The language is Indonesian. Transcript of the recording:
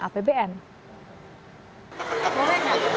apakah ini berarti dana apbn